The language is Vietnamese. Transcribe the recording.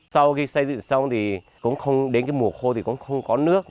sau khi xây dựng xong thì đến cái mùa khô thì cũng không có nước